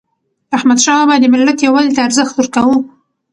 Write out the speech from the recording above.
احمدشاه بابا د ملت یووالي ته ارزښت ورکاوه.